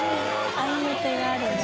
合いの手があるんだ。